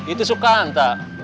itu suka anta